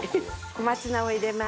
小松菜を入れます。